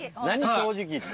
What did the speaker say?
正直って。